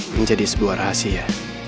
menjadi sebuah rahasia